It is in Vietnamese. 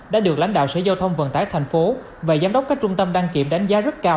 đã được lãnh đạo sở giao thông vận tải thành phố và giám đốc các trung tâm đăng kiểm đánh giá rất cao